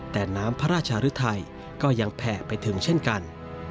แต่น้ำพระราชหรือไทยก็ยังแผ่ไปถึงเช่นกัน